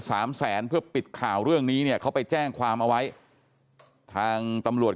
สามแสนเพื่อปิดข่าวเรื่องนี้เนี่ยเขาไปแจ้งความเอาไว้ทางตำรวจ